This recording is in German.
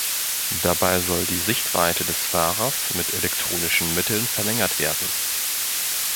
Dabei soll die „Sichtweite“ des Fahrers mit elektronischen Mitteln verlängert werden.